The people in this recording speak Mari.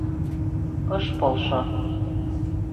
Ыш полшо...